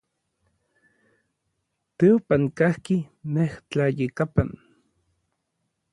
Teopan kajki nej tlayekapan.